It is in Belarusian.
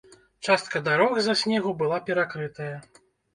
Частка дарог з-за снегу была перакрытая.